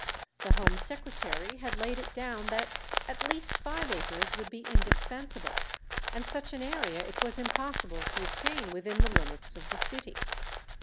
The Home Secretary had laid it down that at least five acres would be indispensable, and such an area it was impossible to obtain within the limits of the city.